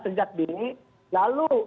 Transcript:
sejak dini lalu